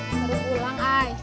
harus ulang ai